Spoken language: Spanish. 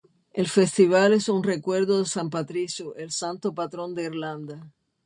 El festival es en recuerdo de San Patricio, el santo patrón de Irlanda.